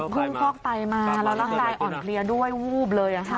อ๋อเพิ่งฟอกไตมาแล้วแล้วก็ได้อ่อนเคลียร์ด้วยวูบเลยอ่ะฮะ